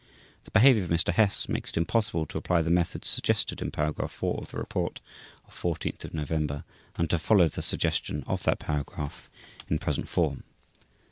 The behavior of Mr. Hess makes it impossible to apply the methods suggested in Paragraph 4 of the report of 14 November and to follow the suggestion of that Paragraph in present form.